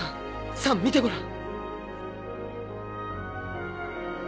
サン見てごらん！